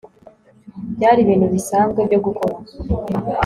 Byari ibintu bisanzwe byo gukora